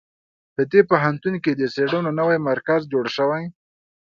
په دې پوهنتون کې د څېړنو نوی مرکز جوړ شوی